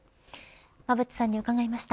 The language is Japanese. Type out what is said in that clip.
馬渕さんに伺いました。